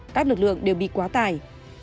các lực lượng đều bị quá tải